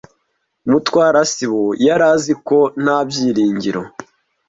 Mutwara sibo yari azi ko nta byiringiro.